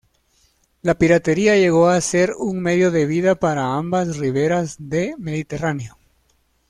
La piratería llegó a ser un medio de vida para ambas riberas de Mediterráneo.